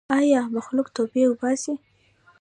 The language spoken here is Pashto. ای مخلوقه توبې وباسئ.